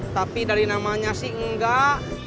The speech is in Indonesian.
tapi dari namanya sih enggak